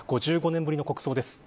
５５年ぶりの国葬です。